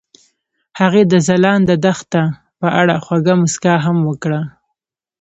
هغې د ځلانده دښته په اړه خوږه موسکا هم وکړه.